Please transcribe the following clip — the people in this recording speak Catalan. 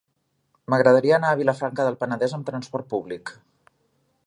M'agradaria anar a Vilafranca del Penedès amb trasport públic.